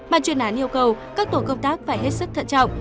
bàn chuyên án yêu cầu các tổ công tác phải hết sức thận trọng